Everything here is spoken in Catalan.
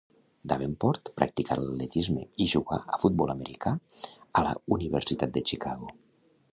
Davenport practicà l'atletisme i jugà a futbol americà a la Universitat de Chicago.